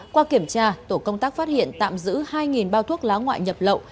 qua kiểm tra tổ công tác phát hiện tạm giữ hai bao thuốc lá ngoại nhập lậu